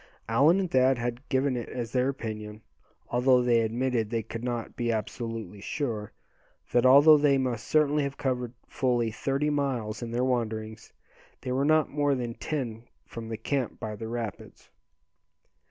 Allan and Thad had given it as their opinion, although they admitted they could not be absolutely sure, that although they must certainly have covered fully thirty miles in their wanderings, they were not more than ten from the camp by the rapids.